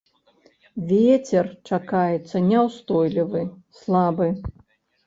Вецер чакаецца няўстойлівы слабы.